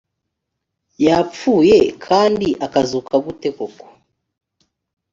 yapfuye kandi akazuka gute koko